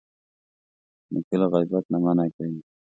نیکه له غیبت نه منع کوي.